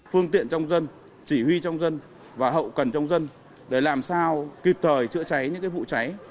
phương tiện trong dân chỉ huy trong dân và hậu cần trong dân để làm sao kịp thời chữa cháy những vụ cháy